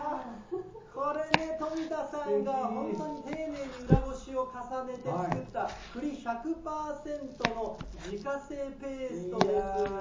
これね、富田さんが本当に丁寧に裏ごしを重ねて作った、栗１００％の自家製ペーストです。